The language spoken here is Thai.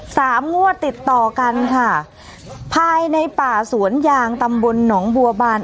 งวดติดต่อกันค่ะภายในป่าสวนยางตำบลหนองบัวบาน